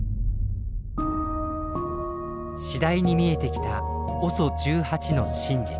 次第に見えてきたＯＳＯ１８の真実。